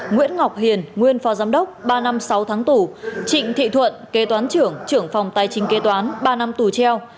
nguyễn ngọc hiền nguyên phó giám đốc ba năm sáu tháng tù trịnh thị thuận kế toán trưởng trưởng phòng tài chính kế toán ba năm tù treo